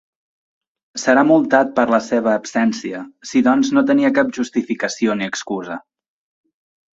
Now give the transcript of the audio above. Serà multat per la seva absència, si doncs no tenia cap justificació ni excusa.